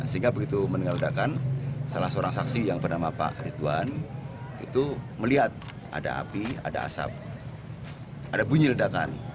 sehingga begitu mendengar ledakan salah seorang saksi yang bernama pak ridwan itu melihat ada api ada asap ada bunyi ledakan